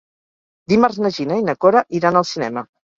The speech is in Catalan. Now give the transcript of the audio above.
Dimarts na Gina i na Cora iran al cinema.